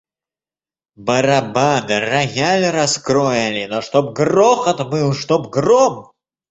Барабан, рояль раскроя ли, но чтоб грохот был, чтоб гром.